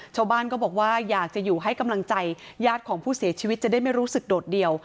ชาวบ้านก็บอกว่าอยากจะอยู่ให้กำลังใจญาติของผู้เสียชีวิตจะได้ไม่รู้สึกโดดเดี่ยว